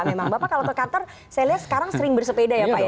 bapak kalau ke kantor saya lihat sekarang sering bersepeda ya pak